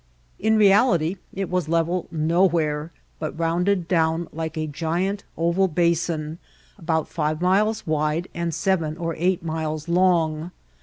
In reality it was level nowhere, but rounded down like a giant oval basin about five miles wide and seven or eight miles long.